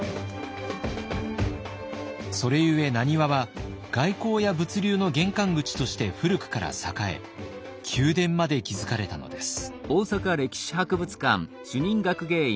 それゆえ難波は外交や物流の玄関口として古くから栄え宮殿まで築かれたのです。